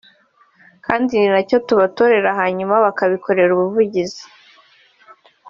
kandi ni nacyo tubatorera hanyuma bakanabikorera ubuvugizi